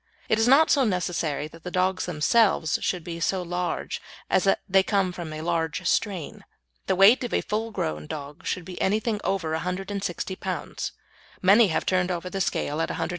It is not so necessary that the dogs themselves should be so large as that they come from a large strain. The weight of a full grown dog should be anything over 160 lb. Many have turned over the scale at 180 lb.